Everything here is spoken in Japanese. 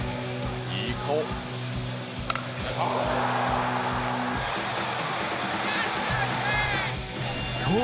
いい顔。